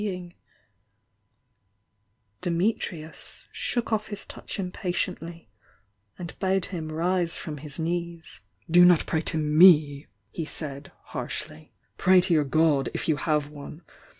^u jPT'*""^ ^^°°^ off his touch impa tiently, and bade him rise from his knees. Do not pray to we.'" he said, harshly— "Pray to your God, rf you have one!